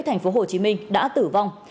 thành phố hồ chí minh đã tử vong